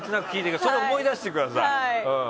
それを思い出してください。